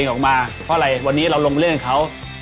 ออกมาเพราะอะไรวันนี้เราลงเล่นเขา